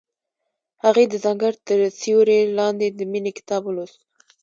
هغې د ځنګل تر سیوري لاندې د مینې کتاب ولوست.